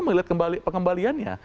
bagaimana melihat pengembaliannya